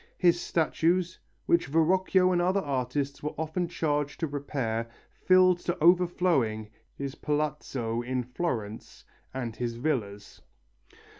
His statues, which Verrocchio and other artists were often charged to repair, filled to overflowing his palazzo in Florence and his villas.